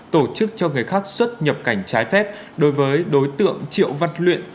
tổ chức cho người khác xuất nhập cảnh trái phép đối với đối tượng triệu văn luyện